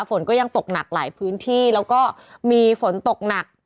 ฝนก็ยังตกหนักหลายพื้นที่แล้วก็มีฝนตกหนัก